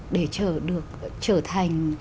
để trở thành